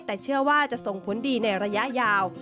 แต่เชื่อว่าจะส่งผลดีในระยะยาว